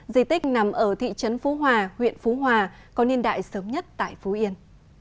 di tích nằm ở thị trấn phú hòa huyện phú hòa có niên đại sớm nhất tại phú yên